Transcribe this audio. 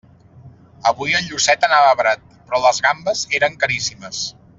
Avui el llucet anava barat, però les gambes eren caríssimes.